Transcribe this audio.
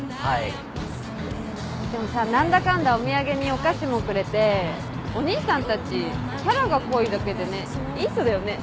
でもさ何だかんだお土産にお菓子もくれてお兄さんたちキャラが濃いだけでねいい人だよね。